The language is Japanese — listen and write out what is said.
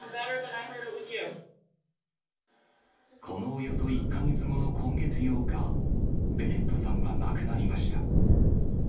このおよそ１か月後の今月８日、ベネットさんは亡くなりました。